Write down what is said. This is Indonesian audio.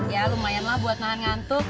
ya lumayanlah buat nahan ngantuk